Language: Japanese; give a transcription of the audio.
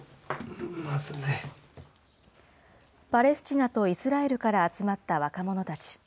パレスチナとイスラエルから集まった若者たち。